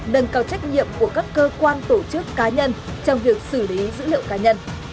nâng cao trách nhiệm của các cơ quan tổ chức cá nhân trong việc xử lý dữ liệu cá nhân